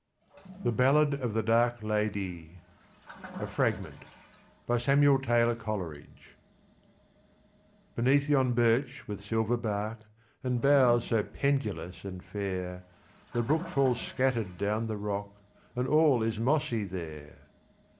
THE BALLAD OF THE DARK LADIÉ[293:1] A FRAGMENT Beneath yon birch with silver bark, And boughs so pendulous and fair, The brook falls scatter'd down the rock: And all is mossy there!